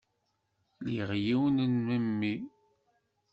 Liɣ yiwen n memmi.